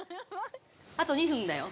あと２分だよ。